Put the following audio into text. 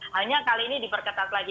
hanya kali ini diperketat lagi